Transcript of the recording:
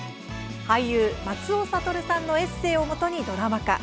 俳優、松尾諭さんのエッセーをもとにドラマ化。